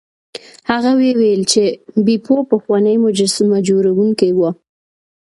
هغه وویل چې بیپو پخوانی مجسمه جوړونکی و.